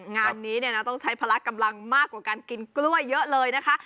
งานนี้เนี่ยนะต้องใช้พละกำลังมากกว่าการกินกล้วยเยอะเลยนะคะ